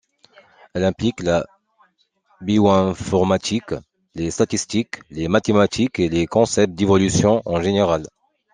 Elle implique la bioinformatique, les statistiques, les mathématiques et les concepts d'évolution en général.